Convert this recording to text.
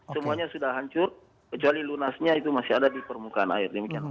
semuanya sudah hancur kecuali lunasnya itu masih ada di permukaan air demikian